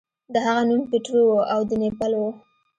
د هغه نوم پیټرو و او د نیپل و.